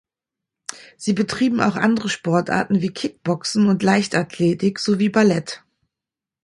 Sie betrieben auch andere Sportarten wie Kickboxen und Leichtathletik sowie Ballett.